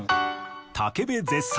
武部絶賛！